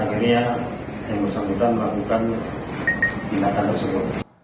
akhirnya yang bersangkutan melakukan tindakan tersebut